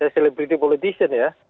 selebriti politis ya